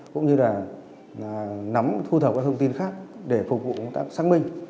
cũng như là nắm thu thập các thông tin khác để phục vụ công tác xác minh